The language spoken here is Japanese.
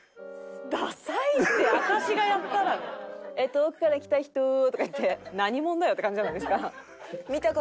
「遠くから来た人」とか言って何者だよって感じじゃないですか。